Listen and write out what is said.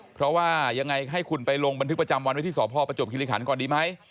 เพราะว่ายังไงให้คุณไปลงบันทึกประจำวันไว้ที่สพประจวบคิริขันก่อนดีไหม